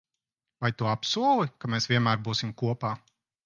Vai tu apsoli, ka mēs vienmēr būsim kopā?